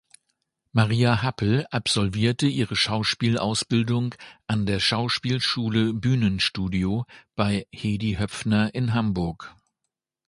Maria Happel absolvierte ihre Schauspielausbildung an der Schauspielschule Bühnenstudio bei Hedi Höpfner in Hamburg.